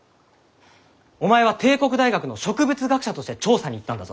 お前は帝国大学の植物学者として調査に行ったんだぞ。